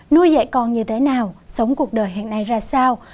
nuôi dạy con như thế nào sống cuộc đời hiện nay ra sao